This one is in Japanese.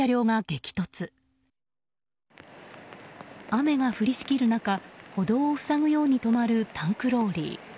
雨が降りしきる中歩道を塞ぐように止まるタンクローリー。